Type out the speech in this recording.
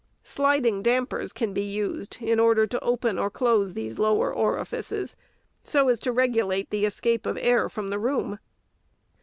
Sliding dampers can be used, in order to open or close these lower orifices, so as to regulate the escape of air from the room.